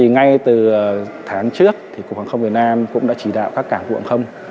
ngay từ tháng trước cục hàng không việt nam cũng đã chỉ đạo các cảng vụ hàng không